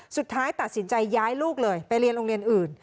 สุดท้ายตัดสินใจย้ายลูกเลยไปเรียนโรงเรียนอื่น